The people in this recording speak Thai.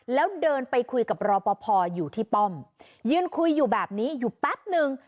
แล้วเดินไปคุยกับรอปภอยู่ที่ป้อมยืนคุยอยู่แบบนี้อยู่แป๊บนึง